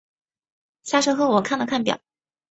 下车后我看了看表